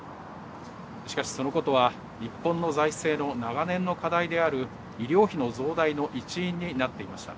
しかしそのことは日本の財政の長年の課題である医療費の増大の一因になっていました。